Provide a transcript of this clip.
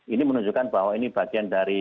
ini menunjukkan bahwa ini bagian dari